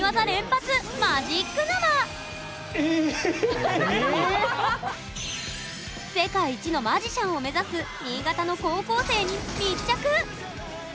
ここからは世界一のマジシャンを目指す新潟の高校生に密着！